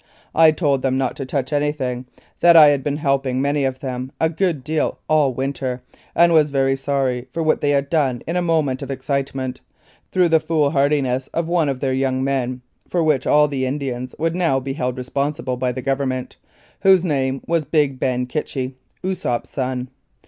I told them not to touch anything, that I had been helping many of them a good deal all the winter, and was very sorry for what they had done in a moment of excitement, through the foolhardiness of one of their young men for which all the Indians would now be held responsible by the Government whose name was Big Ben Kitchie, Osoup's son.